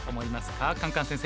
カンカン先生。